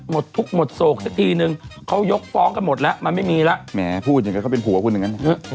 หมดทุกข์หมดโศกสักทีนึงเขายกฟ้องกันหมดแล้วมันไม่มีแล้วแหมพูดอย่างนั้นเขาเป็นผัวคุณอย่างนั้นเถอะ